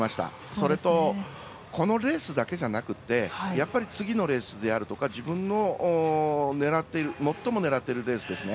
それとこのレースだけじゃなくてやっぱり次のレースであるとか自分の最も狙っているレースですね